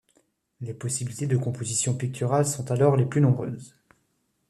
Les possibilités de composition picturale sont alors les plus nombreuses.